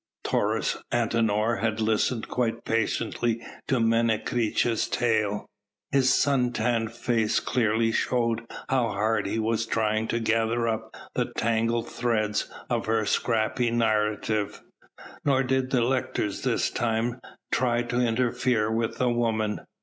Taurus Antinor had listened quite patiently to Menecreta's tale. His sun tanned face clearly showed how hard he was trying to gather up the tangled threads of her scrappy narrative. Nor did the lictors this time try to interfere with the woman.